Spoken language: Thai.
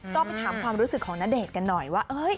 ก็ไปถามความรู้สึกของณเดชน์กันหน่อยว่า